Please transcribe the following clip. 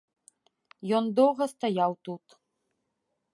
Ён доўга стаяў тут.